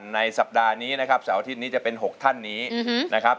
ในสัปดาห์นี้นะครับเสาร์อาทิตย์นี้จะเป็น๖ท่านนี้นะครับ